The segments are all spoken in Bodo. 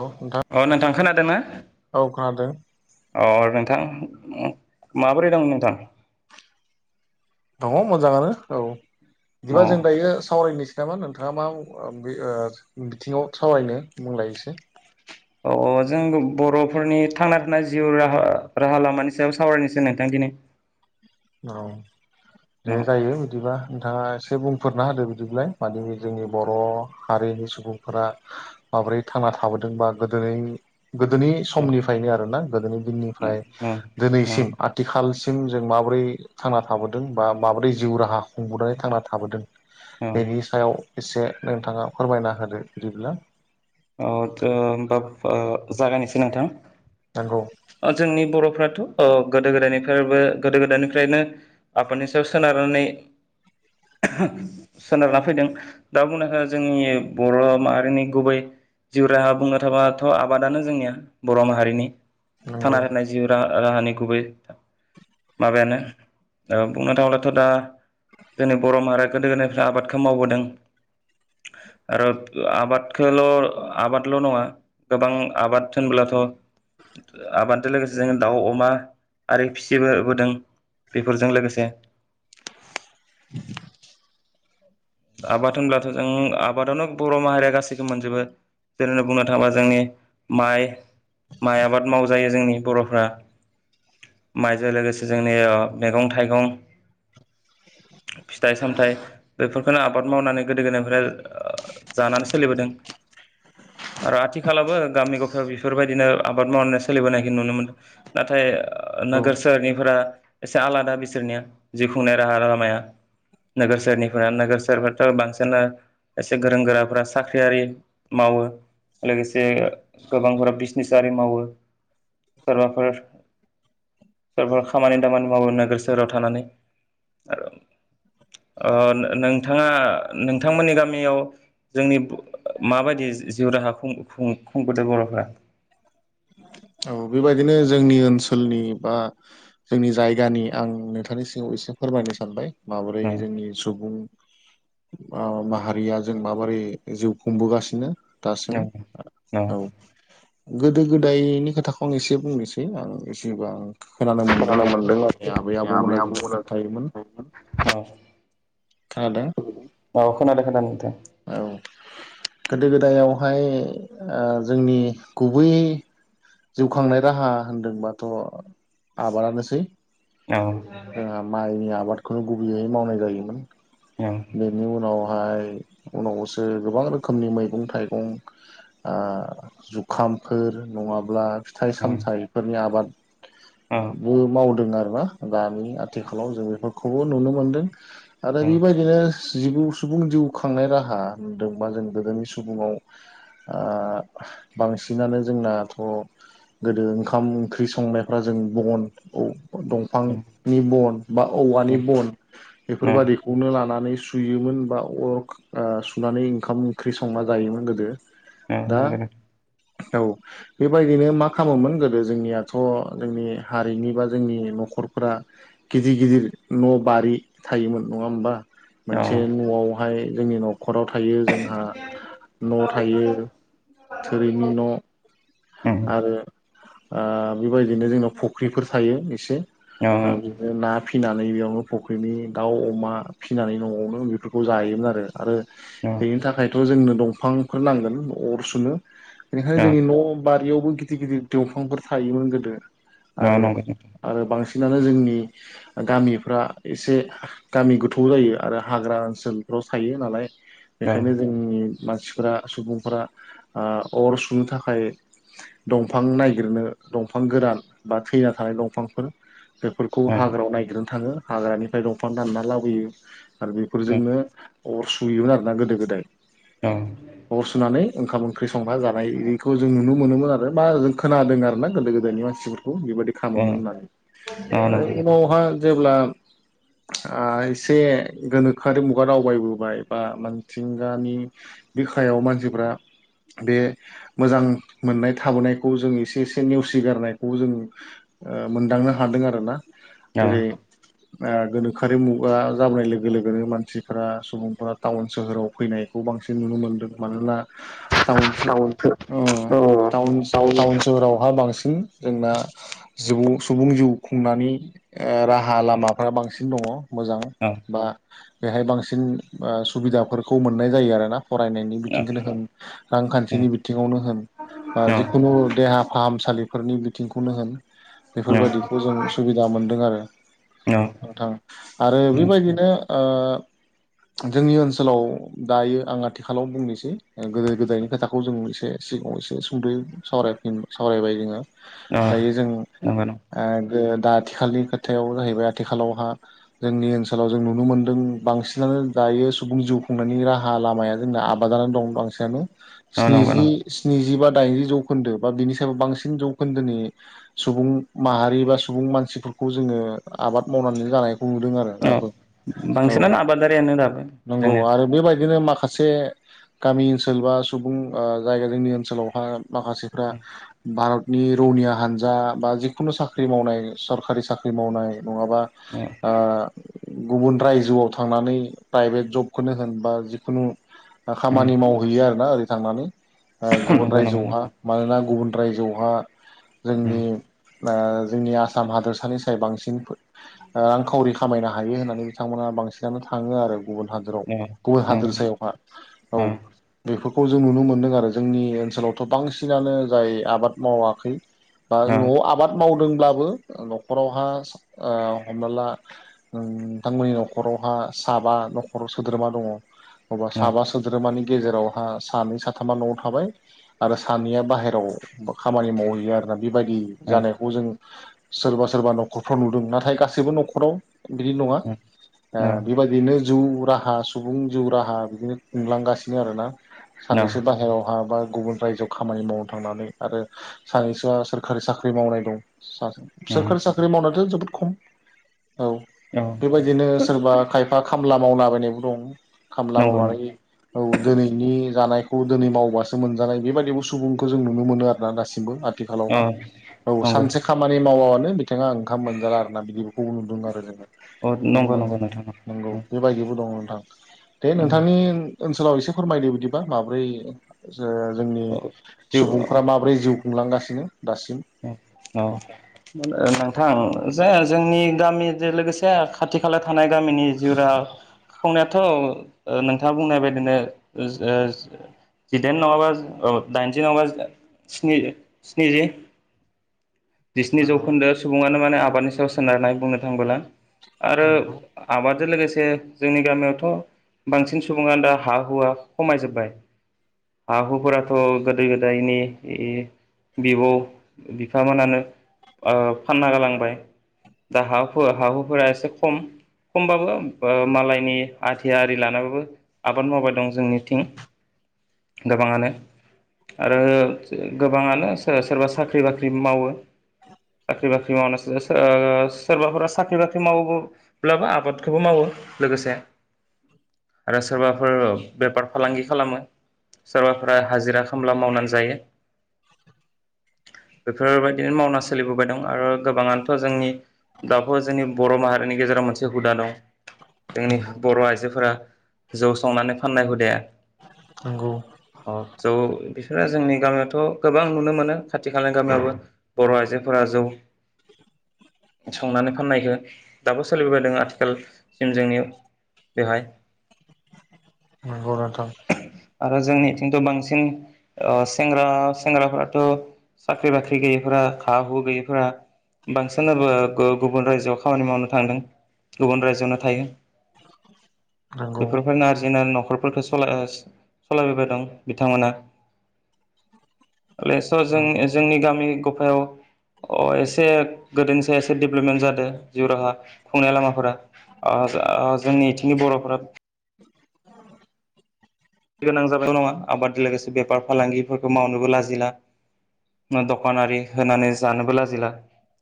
औ नोंथां अ नोंथां खोनादोना? औ खोनादों अ नोंथां ओम माबोरै दं नोंथां? अ मोजाङानो औ। औ बिदिबा जों दायो सावरायनोसै नामा नोंथांया मा बे ओ बिथिङाव सावरायनो बुंलाय एसे औ औ जों बर'फोरनि थांना थानाय जिउ राहा राहा लामानि सायाव सावरायनोसै नोंथां दिनै। औ दे औ जायो बिदिबा नोंथाङा एसे बुं फोरना होदो बिदिब्ला मानि जोंनि बर' हारिनि सुबुंफोरा माबोरै थांना थाबोदोंबा गोदोननि गोदोनि औ समनिफ्रायनो आरोना गोदोनि दिननिफ्राय औ औ दिनैसिम आथिखाल सिम [unintelligible] माबोरै थांना थाबोदों बा माबोरै जिउ राहा खुंबोननानै थांना थाबोदों औ बेनि सायाव एसे नोंथाङा फोरमायना होदो बिदिब्ला। अ' थो होमबा ओ जागायनोसै नोंथां। नंगौ अ जोंनि बर'फ्राथ' ओ गोदो गोदायनिफ्रायबो गोदो गोदायनिफ्रायनो आबादनि सायाव सोनारनानै सोनारना फैदों, दा बुंनो ओ जोंनि बर' माहारिनि गुबै जिउ राहा बुंनो थाबाथ' आबादानो जोंनिया बर' माहारिनि नंगौ थांना थानाय जिउ राहा। राहानि गुबै माबायानो ओ बुंनो थाङोब्लाथ' दा जोंनि बर' माहारिया गोदो गोदायनिफ्राय आबादखो मावबोदों आरो आबादखोल' आबादल' नङा गोबां आबाद होनब्लाथ' आबादजों लोगोसे जों दाउ अमा आरो फिसिबो बोदों बेफोरजों लोगोसे [inaudible] आबाद होनब्लाथ' जों आबादावनो बर' माहारिया गासैखौ मोनजोबो। जेरैनो बुंनो थाङोबा जोंनि माइ माइ आबाद मावजायो जोंनि बर'फ्रा, माइजों लोगोसे जोंनि मेगं थाइगं, फिथाइ सामथाइ बेफोर बेखोनो आबाद मावनानै गोदो गोदायनिफ्राय जानानै सोलिबोदों आरो आथिखालबो गामि ग'फायाव बेफोरबायदिनो आबाद मावनानै सोलिबोनायखौ नुनो मोनदों। नाथाय नंगौ नोगोर सोहोरनिफोरा एसे आलादा बिसोरनिया जिउ खुंनाय राहा लामाया नोगोर सेरनिफोरा नोगोर सोरबाथ' बांसिना एसे गोरों गोराफ्रा साख्रियारि मावो लोगोसे गोबांफोरा बिजिनेस आरि मावो सोरबाफोर सोरबा खामानि दामानि मावो नोगोर सोहोराव थानानै ओ ओ नों नोंथाङा नोंथांमोननि गामियाव जोंनि माबायदि जिउ राहा खुं-खुंबोदों बर'फोरा औ बेबायदिनो जोंनि ओनसोलनि बा जोंनि जायगानि आं नोंथांनि सिङाव एसे फोरमायनो सानबाय माबोरै जोंनि सुबुं ओ माहारिया जों माबोरै जिउ खुंबोगासिनो दासिम ओ औ। गोदो गोद दायनि खोथाखौ आं एसे बुंनोसै आं एसेबांं खोनानो मोनदों आरो जोंनि आबै आबौमोना जोंनो खिन्थायोमोन औ खोनादों? औ खोनादो खोनादों नोथां। औ गोदो गोदायावहाय ओ जोंनि गुबै। जिउ खांनाय राहा होनदोंबाथ' आबादानोसै। औ जोंहा माइनि आबाद। खौ गुबैयै मावनाय जायोमोन औ बेनि उनाव फाय उनावसो गोबां रोखोमनि मैगं थाइगं ओ जुखामफोर नङाब ब्ला फिथाइ सामथाइफोरनि आबाद। औ बो मावदों आरो ना दानि आथिखालाव जों बेफोरखौबो नुनो मोनदों। आरो बिबायदिनो। जिबौ सुबुं जिउ खांनाय राहा दोंबा जों गोदोनि सुबुंआव ओ बांसिनानो जोंना। अह गोदो ओंखाम ओंख्रि संनायफ्रा जों बनद औ दंफां नि बन बा औवानि बन। बेफोरबादिखौनो लाना नै सुयोमोन बा अराव खा ओ सुनानै ओंखाम ओंख्रि संना जायोमोन गोदो। ओम दा नोंगो नों। औ। बेबायदिनो मा खालामोमोन गोदो जोंनियाथ' जोंनि हारिनि बा जोंनि न'खरफोरा गिदि गिदिर न' बारि थायोमोन नङा ओमबा औ टाउन मोनसे न'आवहाय जोंनि न'खराव थायो जोंहा न' थायो थोरिनि न'। आरो ओ बेबायदिनो जोंनाव फख्रिफोर थायो इसे। ओ बिबो ना फि फिनानै बेयावनो फख्रिनि दाउ अमा फिनानै न'आवनो बिफोरखौ जायोमोन आरो आरो बेनि थाखायथ' जोंनो दंफांफोर नांगोन अर सुनो। बेखायनो जोंनि न' बारियावबो गिदि गिदिर दंफांफोर थायोमोन गोदो। आरो आरो बांसिन [unintelligible] जोंनि गामिफ्रा इसे गामि गोथौ जायो आरो हाग्रा ओनसोलफ्राव थायो नालाय। बेखायनो जोंनि मानसिफोरा सुबुंफोरा ओ अर सुनो थाखाय दंफां नागिरनो दंफां गोरान बा थैना थानाय दंफांफोर। बेफोरखौ हाग्रायाव नायगिरनो थाङो। हाग्रानिफाय दंफां दानना लाबोयो। आरो बेफोरजोंनो। अर सुयोमोन आरोना गोदो गोदाय। [inaudible] अर सुनानै ओंखाम ओंख्रि संना जानाय इखौ जों नुनो मोनोमोन आरो मा जों खोनादों आरो ना गोदो गोदायनि मानसि बेबायदि खालामोमोन होननानै औ ओ उनावहा जेब्ला आ एसे गोनोखोआरि मुगा दावबायबोबाय बा मिथिंगानि बिखायाव मानसिफ्रा बे मोजां मोननाय थाबोनायखौ जों एसे एसे नेवसिगारनायखौ जों मोनदांनो हादों आरो ना। ओेरै ओ गोनोखोआरि मुगा जाबोनाय लोगो लोगोनो मानसिफ्रा सुबुंफ्रा तावन सोहोराव फैनायखौ बांसिन नुनो मोनदों मानोना तावन सो- [inaudible] अ टाउन टाउन सहरावहा बांसिन जोंना जिउ सुबुं जिउ खुंनायनि राहा लामाफ्रा बांसिन दङ'। मोजां औ बा बेहाय बांसिन ओ सुबिदाफोरखौ मोननाय जायो आरो ना। फरायनायनि नंगौ बिथिंखोनो होन रांखान्थिनि बिथिङावनो होन। बा औ जिखुनु देहा फाहा फाहामसालिफोरनि बिथिंखौनो होन औ बेफोरबायदिखौ जों सुबिदा मोनदों आरो, औ नोंथां आरो बेबायदिनो ओ जोंनि ओनसोलाव दायो आं आथिखालाव बुंनोसै गोदो गोदायनि खोथाखौ जों एसे सिगाङाव एसे एसे सुंद' सावरायफिन सावरायबाय जोङो। औ दायो जों नंगौ नं ओ जे दा आथिखालनि खोथायाव जाहैबाय आथिखालावहा जोंनि ओनसोलाव जों नुनो मोनदों बांसिनानो दायो सुबुं जिउ खुंनायनि राहा लामाया जोंना आबादानो दं बांसिनानो। औ नंगौ स्निजि नं स्निजि जि बा दाइनजि जौखोन्दो बा बिनि सायाव बांसिन जौखोन्दोनि सुबुं माहारि बा सुबुं मानसिफोरखौ जोङो आबाद मावनानै जानाय नुदों आरो औ दाबो [inaudible] औ बांसिनानो आबादारियानो दाबो नंगौ जोंनिया आरो बेबायदिनो मा खासे गामि ओनसोल बा सुबुं जायगा जोंनि ओन सोलावहा माखासेफ्रा भारत निरौनि हानजा बा जिखुनु साख्रि मावनाय सरखारि साख्रि मावनाय। नङाबा औ ओ गुबुन रायजोआव थांनानै प्राइभेट जबखौनो होन बा जिकुनु उम खामानि मावहैयो आरो ना ओरै थांनानै। गुबुन नंगौ नंगौ रायजोआवहा नंगौ मानोना गुबुन रायजोहा उम जोंनि ओ जोंनि आसाम हादोरसानि साय बांसिन रांखावरि खामायनो हायो होननानै बिथांमोना बांसिनानो थाङो आरो गुबुन हादोराव औ गुबुन हादोर नंगौ नंगौ सायावहा औ बे खौ जों नुनो मोनदों आरो जोंनि ओनसोलावथ' बांसिनानो जाय आबाद मावाखै बा औ न'आव आबाद मावदों ब्लाबो न'खरावहा ओ हमना ला नोंथांमोननि न'खरावहा साबा न'खराव सोद्रोमा दङ अब्ला औ साबा सोद्रोमानि गेजेरावहा सानै साथामा न'आव थाबाय आरो सानैया बाहेरायाव खामानि मावहैयो आरोना बेबायदि औ उम औ जानायखौ जों सोरबा सोरबा न'खरफ्राव नुदों नाथाय गासैबो न'खराव बिदि नङा ओ बेबादियैनो। जिउ राहा सुबुं जिउ राहा बिदिनो नुंलांगासिनो आरोना सानैसो बाहेराव माबा गुबुन रायजोआव खामानि मावनो थांनानै आरो सानैसोआ सोरखारि साख्रि मावनाय दं सोरखारि साख्रि मावनायाथ' जोबोद खौ औ बेबायदिनो सोरबा खायफा खामला मावलाबायनायबो दं खामला नंगौ नंगौ मावनानै औ दिनैनि जानाय खौ दिनै मावबाय। मोनजानाय बेबायदिबो सुबुंखौ जों नुनो मोनो आरोना दासिमबो। औ आथिखालावहा औ नंगौ सानसे खामानि मावाबानो बिथाङा ओंखाम मोनजाला आरोना बिदिफोरखौबो नुदों आरो जोङो। औ नुनो नंगौ नंगौ मोनदों नोंथां नंगौ उम बेबायदिबो दङ नोंथां दे उम नोंथांनि ओनसोलाव एसे फोरमायदो बिदिबा माब्रै ओ जोंनि औ सुबुंफ्रा जिउ माब्रै जिउ खुंलांगासिनो दासिम औ नोंथां ओ जाया जोंनि गामिजों लोगोसे खाथि खालायाव थानाय गामिनि जिउराहा खुंनायाथ' ओ नोंथाङा बुंनाय बायदिनो ओ जिदाइन नङाबा दाइनजि नङाबा स्नि स्निजि जिसिनि नंगौ जौखोन्दो सुबुआनो माने आब आबादनि सायाव सोनारनाय बुंनो थांबोला आरो आबाद बेजों लोगोसे जोंनि गामियावथ' बांसिन सुबुङा दा हा हुआ खमायजोब्बाय हा हुफोराथ' गोदो गोदायनि बिबौ बिफामोनानो ओ फानना गालांबाय दा हु हा हुफोरा एसे खम खमबाबो मालायनि आदि आरि लानाबाबो आबाद मावबाय दं जोंनिथिं गोबाङानो आरो गोबाङानो सोसोरबा साख्रि साख्रि बाख्रि मावो साख्रि बाख्रि मावना ओओ सोरबाफोरा साख्रि बाख्रि माव्लाबो आबादखौबो मावो लोगोसे आरो सोरबाफोर बेफार फालांगि खालामो सोरबाफोरा हाजिरा खामला मावनानै जायो। बेफोरबायदिनो मावना सोलिबोबाय दं आरो गोबाङानोथ' जोंनि दाफोर जोंनि बर' माहारिनि गेजेराव मोनसे हुदा दं जोंनि नंगौ बर' आइजोफोरा जौ संनानै फाननाय हुदाया। नंगौ अ जौ बिसोरो जोंनि दानाथ' गोबां नुनो मोनो। खाथि खालानि गामिआवबो बर' आयजो फोरा जौ संनानै फाननायखौ दाबो सोलिबोबायदों आथिखाल जोंनि बेवहाय नोंगौ नोंथां आरो जोंनिथिंथ' बांसिन ओ सेंग्रा सेंग्राफोराथ' साख्रि बाख्रि गैयैफोरा हा हुु गैयैफोरा बांसिनबो ओओ गुबुन रायजोआव खामानि मावनो थांदों गुबुन रायजोआवनो थायो। नंगौ बेफोरफोर नारजिना नख खरफोरखौ सलाय ओ सालायबोबाय दं बिथांमोना जों नंगौ जोंनि गामिनिखौ फायाव अ एसे गोदोनिसाय एसे डेभेलपमेन्ट जादों जिउ राहा खुंनाय लामाफोरा ओ अ ओ जोंनि बिथिंनि बर'फोरा गोनां जानायल' नङा आबादजों लोगोसे बेफार फालांगिफोरखौ मावनोबो लाजिला ना दखानारि होनानै जानोबो लाजिला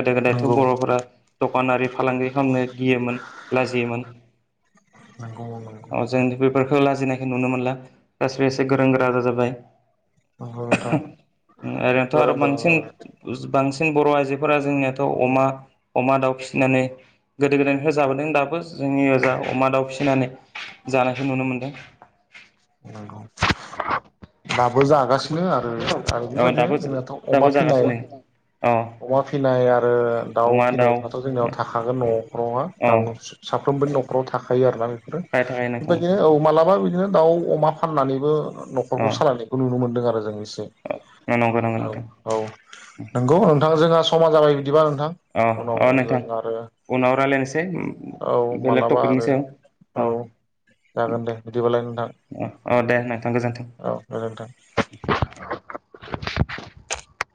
गोदो गोदायथ' नंगौ बर'फोरा दखानारि फालांगि खालामनो गियोमोन लाजियोमोन नंगौ नंगौ अ जों बेफोरखौ लाजिनाय बो नुनो मोनला [unintelligible] बेसे गोरों गोरा जाजोबबाय नंगौ नोंथां ओरैनोथ' आरो गोरों गोरा बांसिन जाबाय उ बांसिन बर' आइजोफोरा जोंनियाथ' अमा अमा दाउ फिसिनानै गोदो गोदायनिफ्राय जाबोदों दाबो जोंनि ओजा अमा दाउ फिसिनानै जानायखौ नुनो मोनदों। नोंगौ दाबो जागासिनो आरो आरो औ बेबायदि दाबो जोंनाथ' अमा दाबो फिनाय जागासिनो औ अमा फिनाय आरो दाउ फिसिनायफ्राथ' जोंनियाव थाखागोन न'खरावहा अ ग साफ्रोमबोनि न'खराव थाखा थायो आरो ना बेफोरो थाखायो थाखायो नोंथां बेबायदिनो औ मालाबा बि दिनो दाउ अमा फाननानैबो नखरखौ औ सालायनायखौ नुनो मोनदों आ मोजाङै सै नंगौ नंगौ औ नोंथां औ नोंगौ दा जोंहा समा जाबाय दिबा नोंथां अ उनाव अ जों नोंथां आरो उनाव रायलायनोसै औ बेलेग मालाबा टपिकनि आरो सायाव अ औ जागोन दे बिदिबालाय नोंथां। अ अ दे नोंथां गोजोन्थों। औ गोजोनथों ससस